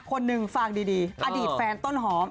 คนนึงฝากดีอดีตแฟนต้นหอม